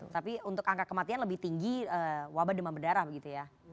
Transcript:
tapi untuk angka kematian lebih tinggi wabah demam berdarah begitu ya